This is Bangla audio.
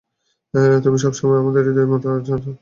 তুমি সবসময় আমার হৃদয়ের এতো কাছে থাকবে।